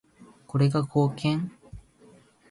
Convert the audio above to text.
これが貢献？